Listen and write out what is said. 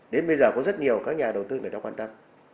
đến bây giờ có rất nhiều các nhà đầu tư người ta quan tâm